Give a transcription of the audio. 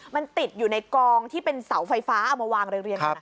มันติดอยู่ในกองที่เป็นเสาไฟฟ้าเอามาวางเรียงกัน